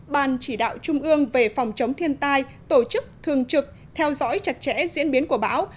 một mươi bốn ban chỉ đạo trung ương về phòng chống thiên tai tổ chức thường trực theo dõi chặt chẽ diễn biến của báo